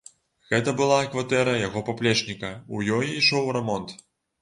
Гэта была кватэра яго паплечніка, у ёй ішоў рамонт.